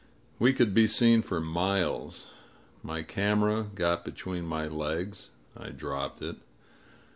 We could be seen for miles. My camera got between my legs. I dropped it.